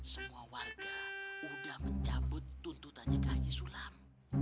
semua warga sudah mencabut tuntutannya kaji sulam